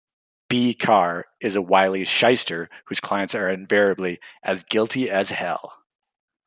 B. Carr is a wily shyster whose clients are invariably "as guilty as hell".